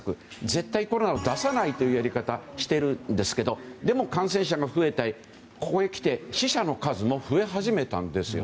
絶対コロナを出さないというやり方をしているんですけどでも感染者が増えてここへきて死者の数も増え始めたんです。